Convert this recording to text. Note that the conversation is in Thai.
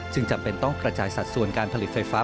จำเป็นต้องกระจายสัดส่วนการผลิตไฟฟ้า